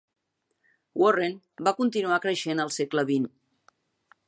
Warren va continuar creixent al segle XX.